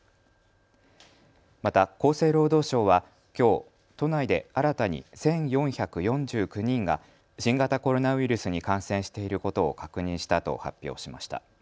また厚生労働省はきょう都内で新たに１４４９人が新型コロナウイルスに感染していることを確認したと発表しました。